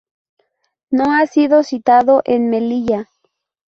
No ha sido citado en Melilla.